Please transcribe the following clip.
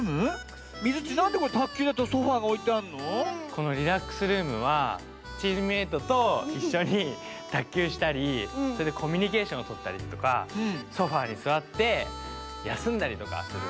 このリラックスルームはチームメートといっしょにたっきゅうしたりそれでコミュニケーションをとったりとかソファーにすわってやすんだりとかそういうおへやになってます。